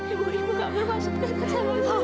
ibu gak bisa berkata salah ibu